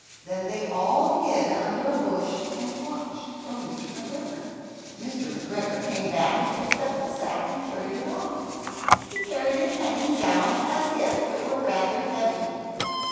Then they all hid under a bush and watched for Mr. McGregor. Mr. McGregor came back and picked up the sack, and carried it off. He carried it hanging down, as if it were rather heavy.